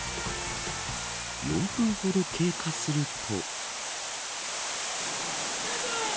４分ほど経過すると。